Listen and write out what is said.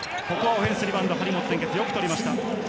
オフェンスリバウンド、張本天傑よく取りました。